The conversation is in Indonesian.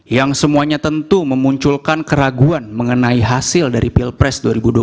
yang semuanya tentu memunculkan keraguan mengenai hasil dari pilpres dua ribu dua puluh